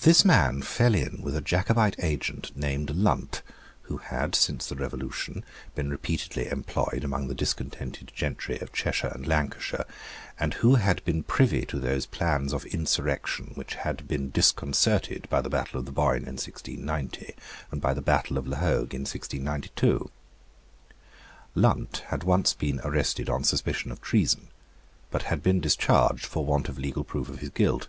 This man fell in with a Jacobite agent named Lunt, who had, since the Revolution, been repeatedly employed among the discontented gentry of Cheshire and Lancashire, and who had been privy to those plans of insurrection which had been disconcerted by the battle of the Boyne in 1690, and by the battle of La Hogue in 1692. Lunt had once been arrested on suspicion of treason, but had been discharged for want of legal proof of his guilt.